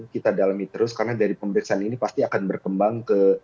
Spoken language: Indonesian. kita dalami terus karena dari pemeriksaan ini pasti akan berkembang ke